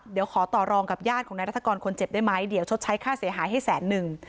เดี๋ยวขอต่อรองกับญาติของนายรัฐกรคนเจ็บได้ไหมเดี๋ยวชดใช้ค่าเสียหายให้แสนนึง